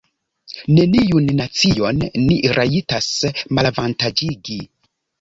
Neniun nacion ni rajtas malavantaĝigi.